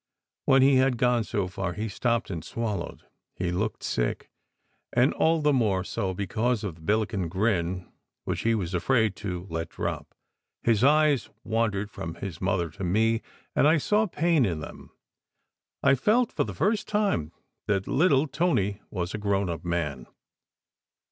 When he had gone so far, he stopped, and swallowed. He looked sick, and all the more so because of the Billiken grin which he was afraid to let drop. His eyes wandered from his mother to me, and I saw pain in them. I felt for the first time that little Tony was a grown up man.